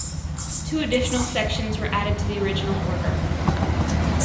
Two additional sections were added to the original order.